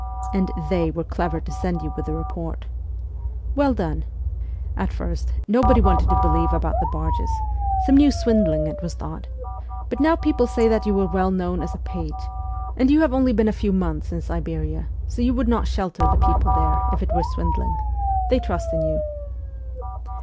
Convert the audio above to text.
And " they " were clever to send you with the report ! Well done ! At first, nobody wanted to believe about the barges. Some new swindling, it was thought. But now people say that you were well known as a page, and you have 230 MEMOIRS OF A REVOLUTIONIST only been a few months in Siberia ; so you would not shelter the people there if it were swindling. They trust in you."